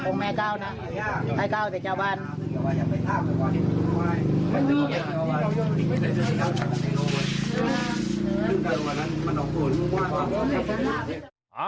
พวกแม่ก้าวนะให้ก้าวแต่เจ้าบ้าน